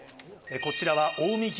こちらは近江牛